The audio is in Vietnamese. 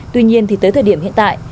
tuy nhiên thì tới thời điểm hiện tại